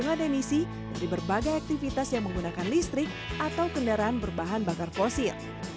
dengan ademisi dari berbagai aktivitas yang menggunakan listrik atau kendaraan berbahan bakar fosil